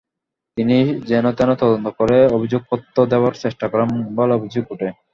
তিনি যেনতেন তদন্ত করে অভিযোগপত্র দেওয়ার চেষ্টা করেন বলে অভিযোগ ওঠে।